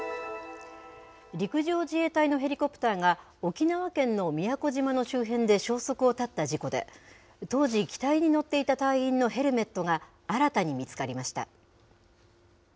陸上自衛隊のヘリコプターが、沖縄県の宮古島の周辺で消息を絶った事故で、当時、機体に乗っていた隊員のヘルメットが新たに見つかりました。